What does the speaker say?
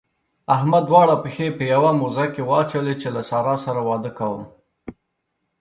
احمد دواړه پښې په يوه موزه کې واچولې چې له سارا سره واده کوم.